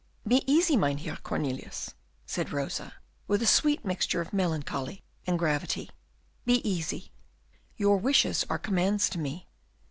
"Be easy, Mynheer Cornelius," said Rosa, with a sweet mixture of melancholy and gravity, "be easy; your wishes are commands to me."